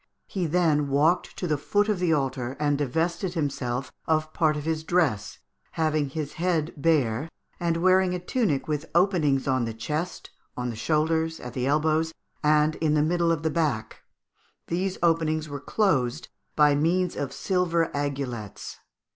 He then walked to the foot of the altar, and divested himself of part of his dress, having his head bare, and wearing a tunic with openings on the chest, on the shoulders, at the elbows, and in the middle of the back; these openings were closed by means of silver aigulets.